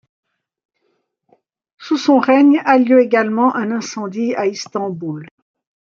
Sous son règne a lieu également un incendie à Istanbul.